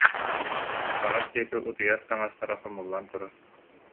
Хаҥас диэки утуйар таҥастара хомуллан турар